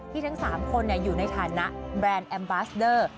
ทั้ง๓คนอยู่ในฐานะแบรนด์แอมบาสเดอร์